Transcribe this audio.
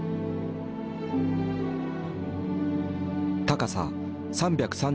高さ３３３ｍ。